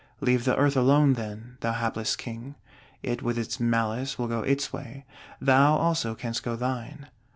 Leave the Earth alone, then, thou hapless King; it with its malice will go its way, thou also canst go thine.